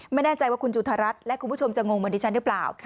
ไม่แน่ใจว่าคุณจุธรัฐและคุณผู้ชมจะงงเหมือนดิฉันหรือเปล่า